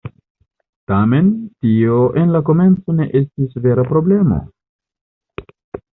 Tamen, tio en la komenco ne estis vera problemo.